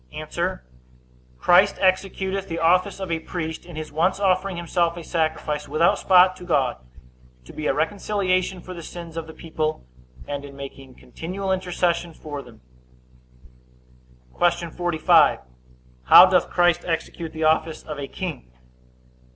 A. Christ executeth the office of a priest, in his once offering himself a sacrifice without spot to God, to be a reconciliation for the sins of the people; and in making continual intercession for them. Q. 45. How doth Christ execute the office of a king?